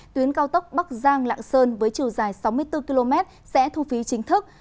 tuyến cao tốc bắc giang lạng sơn với chiều dài sáu mươi bốn km sẽ thu phí chính thức